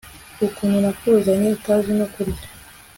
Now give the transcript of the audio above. Ukuntu nakuzanye utazi no kurya